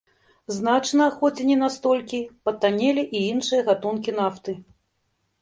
Значна, хоць і не настолькі, патаннелі і іншыя гатункі нафты.